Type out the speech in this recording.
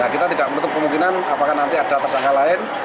kita tidak menutup kemungkinan apakah nanti ada tersangka lain